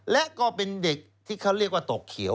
และก็เป็นเด็กที่เขาเรียกว่าตกเขียว